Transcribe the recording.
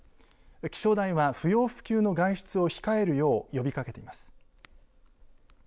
気象台は不要不急の外出を控えるよう呼びかけています。